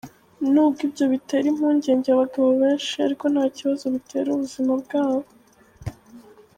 N’ubwo ibyo bitera impungenge abagabo benshi ariko nta kibazo bitera ubuzima bwabo.